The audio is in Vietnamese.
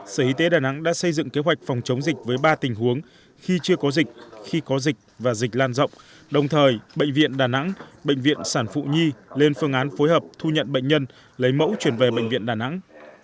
sở y tế đà nẵng đã xây dựng kế hoạch phòng chống dịch với ba tình huống khi chưa có dịch khi có dịch và dịch lan rộng đồng thời bệnh viện đà nẵng bệnh viện sản phụ nhi lên phương án phối hợp thu nhận bệnh nhân lấy mẫu chuyển về bệnh viện đà nẵng